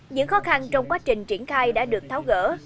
những khó khăn trong quá trình triển khai đã được tháo gỡ